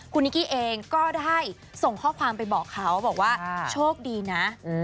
คุณนิกกี้เองก็ได้ส่งข้อความไปบอกเขาบอกว่าโชคดีนะ